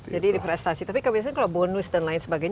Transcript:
jadi di prestasi tapi kalau bonus dan lain sebagainya